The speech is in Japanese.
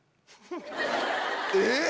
えっ！